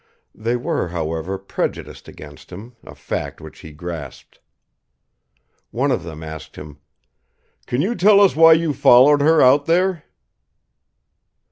They were, however, prejudiced against him, a fact which he grasped. One of them asked him: "Can you tell us why you followed her out here?"